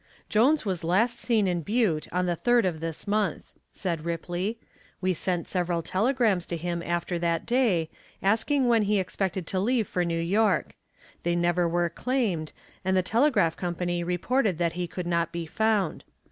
"Jones was last seen in Butte on the third of this month," said Ripley. "We sent several telegrams to him after that day, asking when he expected to leave for New York. They never were claimed and the telegraph company reported that he could not be found.